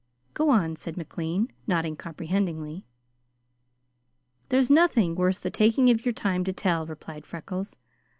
"Go on," said McLean, nodding comprehendingly. "There's nothing worth the taking of your time to tell," replied Freckles.